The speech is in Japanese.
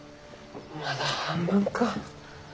まだ半分か。